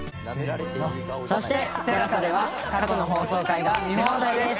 そしてＴＥＬＡＳＡでは過去の放送回が見放題です！